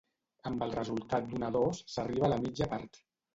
Amb el resultat d'un a dos s'arriba a la mitja part.